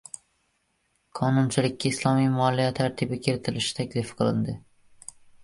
Qonunchilikka islomiy moliya tartiblari kiritilishi taklif qilindi